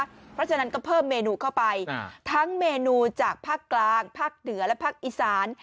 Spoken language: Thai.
เพราะฉะนั้นก็เพิ่มเมนูเข้าไปทั้งเมนูจากภาคกลางภาคเหนือและภาคอีสาน